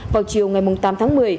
vào chiều ngày tám tháng một mươi